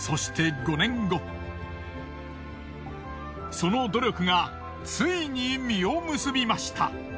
その努力がついに実を結びました。